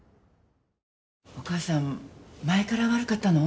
お母さん前から悪かったの？